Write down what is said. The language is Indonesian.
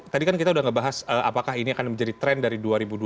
tadi kan kita sudah ngebahas apakah ini akan menjadi tren dari dua ribu dua puluh